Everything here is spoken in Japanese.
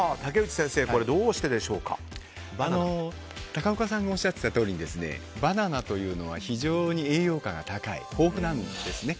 高岡さんがおっしゃっていたとおりバナナというのは非常に栄養が豊富なんですね。